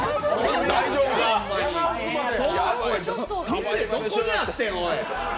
店、どこにあってん、おい！